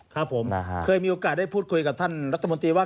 ครับผมเคยมีโอกาสได้พูดคุยกับท่านรัฐมนตรีว่า